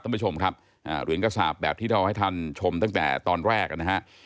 ท่านผู้ชมครับเหรียญกระสาปแบบที่เราให้ท่านชมตั้งแต่ตอนแรกนะฮะ